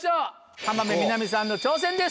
浜辺美波さんの挑戦です。